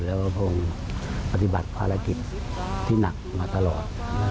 แล้วผมปฏิบัติภารกิจที่หนักมาตลอด